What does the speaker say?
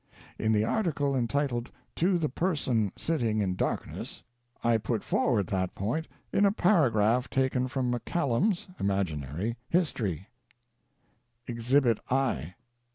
In the article entitled "To the Person Sitting in Darkness/' I put forward that point in a paragraph taken from Macallum's (imaginary) "History"*: EXHIBIT I.